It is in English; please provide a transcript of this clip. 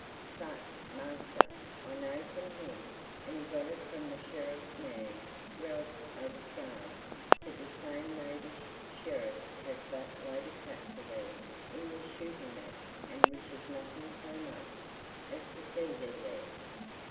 But, master, I know from him, and he got it from the Sheriff's man Ralph o' the Scar, that this same knavish Sheriff hath but laid a trap for thee in this shooting match and wishes nothing so much as to see thee there.